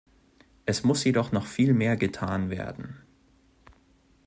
Es muss jedoch noch viel mehr getan werden.